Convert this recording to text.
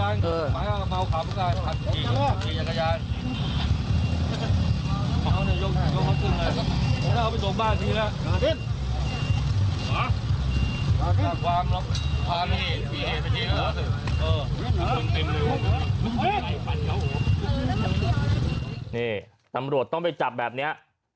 นี่ตำรวจต้องไปจับแบบนี้